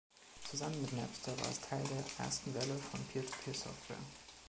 Zusammen mit Napster war es Teil der ersten Welle von Peer-to-Peer-Software.